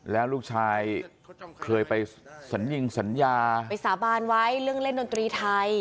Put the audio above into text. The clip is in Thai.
แล้วลูกชายเคยไปสัญญิงสัญญาไปสาบานไว้เรื่องเล่นดนตรีไทย